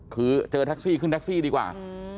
คือเจอแท็กซี่ขึ้นแท็กซี่ดีกว่า